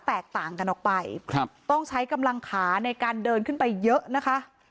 แตกต่างกันออกไปครับต้องใช้กำลังขาในการเดินขึ้นไปเยอะนะคะ